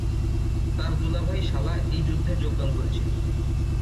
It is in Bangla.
তার দুলাভাই-শালা এই যুদ্ধে যোগদান করেছিল।